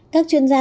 các chuyên gia